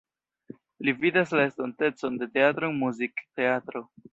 Li vidas la estontecon de teatro en muzikteatro.